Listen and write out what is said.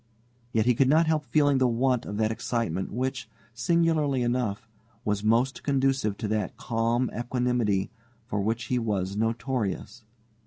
Yet he could not help feeling the want of that excitement which, singularly enough, was most conducive to that calm equanimity for which he was notorious.